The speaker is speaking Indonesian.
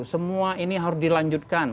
semua ini harus dilanjutkan